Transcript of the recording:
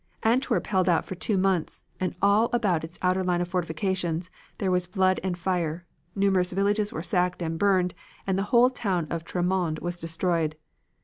Antwerp held out for two months, and all about its outer line of fortifications there was blood and fire, numerous villages were sacked and burned and the whole town of Termonde was destroyed.